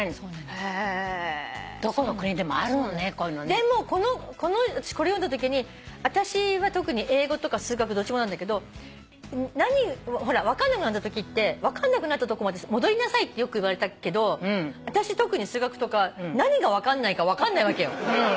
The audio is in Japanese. でもあたしこれ読んだときにあたしは英語とか数学どっちもなんだけど分かんなくなったときって分かんなくなったとこまで戻りなさいってよく言われたけど特に数学とか何が分かんないか分かんないわけよ。